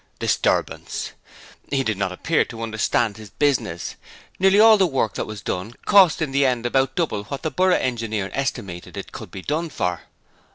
(Disturbance.) He did not appear to understand his business, nearly all the work that was done cost in the end about double what the Borough Engineer estimated it could be done for.